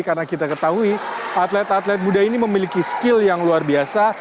karena kita ketahui atlet atlet muda ini memiliki skill yang luar biasa